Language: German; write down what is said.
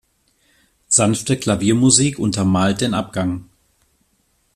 Sanfte Klaviermusik untermalt den Abgang.